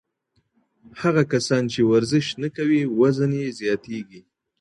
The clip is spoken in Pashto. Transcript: هغه کسان چې ورزش نه کوي، وزن یې زیاتیږي.